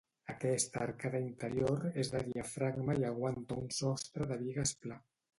Aquesta arcada interior és de diafragma i aguanta un sostre de bigues pla.